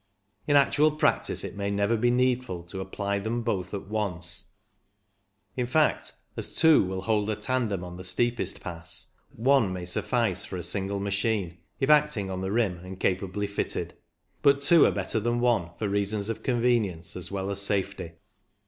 In actual practice it may never be needful to apply them both at once; in fact, as two will hold a tandem on the 226 CYCLING IN THE ALPS steepest pass, one may suffice for a single machine, if acting on the rim and capably fitted. But two are better than one for reasons of convenience as well as safety.